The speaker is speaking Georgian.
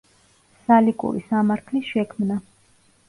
სალიკური სამართლის შექმნა.